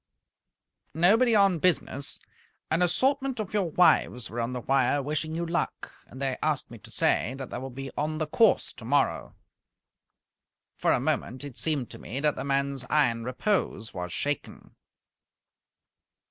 "Nobody on business. An assortment of your wives were on the wire wishing you luck. They asked me to say that they will be on the course tomorrow." For a moment it seemed to me that the man's iron repose was shaken.